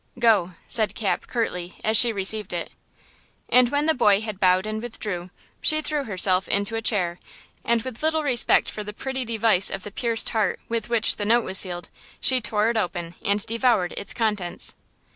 "Go," said Cap, curtly, as she received it. And when the boy had bowed and withdraw, she threw herself into a chair, and with little respect for the pretty device of the pierced heart with which the note was sealed, she tore it open and devoured its contents.